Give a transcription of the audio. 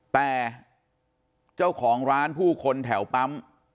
แต่เจ้าของร้านผู้คนแถวปั๊ม